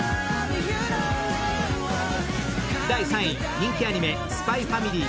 人気アニメ「ＳＰＹ×ＦＡＭＩＬＹ」